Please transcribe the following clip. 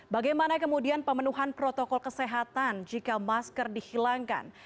bagaimana kemudian pemenuhan protokol kesehatan jika masker dihilangkan